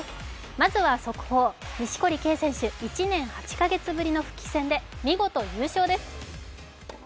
まずは速報、錦織圭選手１年８か月ぶりの復帰戦で見事優勝です。